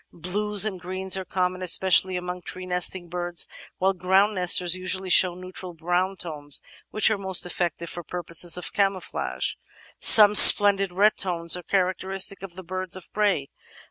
Blues and greens are com mon especially among tree nesting birds, while ground nesters usually show neutral brown tones which are most eflFective for purposes of "camouflage"; some splendid red tones are char acteristic of the birds of prey.